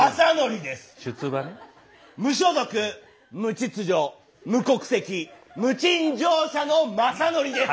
「『無所属』『無秩序』『無国籍』『無賃乗車』のまさのりです！」。